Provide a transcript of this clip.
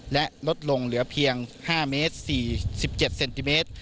และลดลงเหลือเพียง๕เมตร๔๗เซนติเมตร